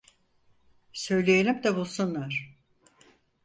Söyleyelim de bulsunlar.